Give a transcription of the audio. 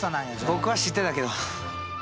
僕は知ってたけど。